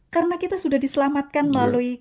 karena kita sudah diselamatkan melalui